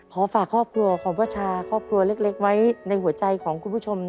ฝากครอบครัวของพ่อชาครอบครัวเล็กไว้ในหัวใจของคุณผู้ชม